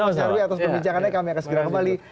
mas nyarwi atas perbincangannya kami akan segera kembali